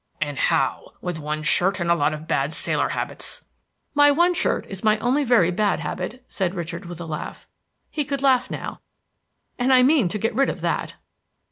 "And how? With one shirt and a lot of bad sailor habits." "My one shirt is my only very bad habit," said Richard, with a laugh, he could laugh now, "and I mean to get rid of that."